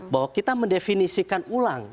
bahwa kita mendefinisikan ulang